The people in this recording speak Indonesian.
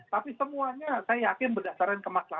tapi semuanya saya yakin berdasarkan kemaslahan